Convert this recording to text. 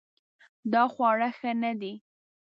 دا خواړه ښه نه دي